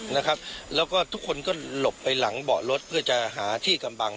นะครับแล้วก็ทุกคนก็หลบไปหลังเบาะรถเพื่อจะหาที่กำบัง